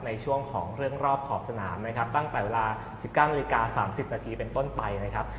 ในช่วงของเรื่องรอบขอบสนามนะครับตั้งแต่เวลา๑๙นาฬิกา๓๐นาทีเป็นต้นไปนะครับ